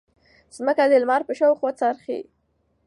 ځمکه د لمر په شاوخوا څرخي.